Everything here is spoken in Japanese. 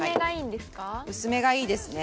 薄めがいいんですか？